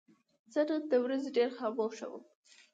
زه نن د ورځې ډېر خاموشه وم.